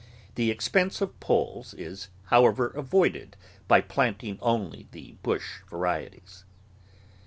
The expense of poles is, however, avoided by plant ing only the bush varieties.